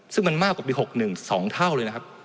ซึ่งมันมากกว่าปี๖๑๒เท่าเลยนะครับ